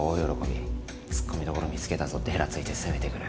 つっこみどころ見つけたぞってヘラついて責めてくる。